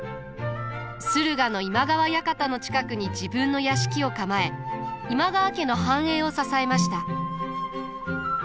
駿河の今川館の近くに自分の屋敷を構え今川家の繁栄を支えました。